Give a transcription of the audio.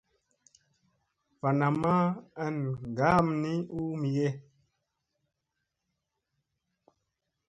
Va namma an ngaam ni u mige.